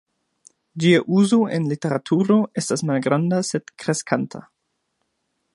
Ĝia uzo en literaturo estas malgranda sed kreskanta.